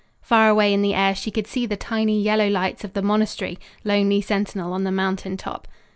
Far away in the air she could see the tiny yellow lights of the monastery, lonely sentinel on the mountain top.